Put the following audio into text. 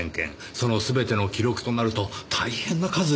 その全ての記録となると大変な数になりますねぇ。